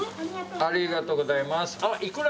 ありがとうございます。